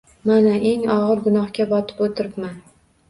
Mana, eng og`ir gunohga botib o`tiribman